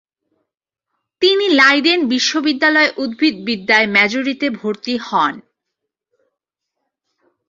তিনি লাইডেন বিশ্ববিদ্যালয়ে উদ্ভিদবিদ্যায় মেজরিতে ভর্তি হন।